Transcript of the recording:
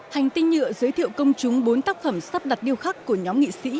hành tinh nhựa giới thiệu công chúng bốn tác phẩm sắp đặt điêu khắc của nhóm nghị sĩ